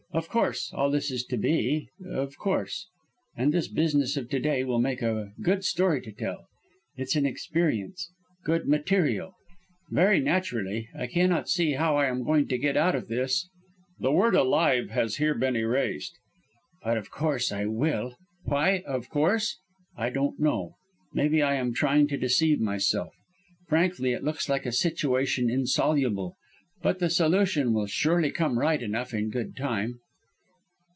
Of course, all this is to be, of course; and this business of to day will make a good story to tell. It's an experience good 'material.' Very naturally I cannot now see how I am going to get out of this" [the word "alive" has here been erased], "but of course I will. Why 'of course'? I don't know. Maybe I am trying to deceive myself. Frankly, it looks like a situation insoluble; but the solution will surely come right enough in good time.